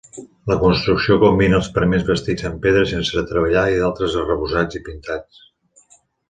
La construcció combina els paraments bastits en pedra sense treballar i d'altres arrebossats i pintats.